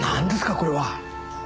これは。